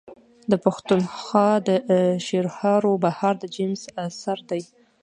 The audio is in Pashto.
د پښتونخوا د شعرهاروبهار د جيمز اثر دﺉ.